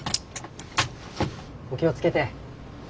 お気を付けて。